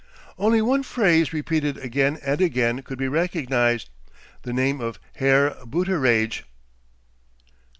Only one phrase, repeated again and again could he recognize the name of "Herr Booteraidge."